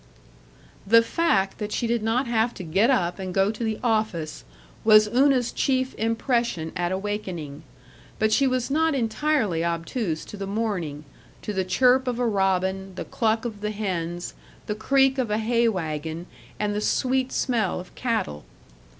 § 3 The fact that she did not have to get up and go to the office was Una's chief impression at awakening, but she was not entirely obtuse to the morning, to the chirp of a robin, the cluck of the hens, the creak of a hay wagon, and the sweet smell of cattle.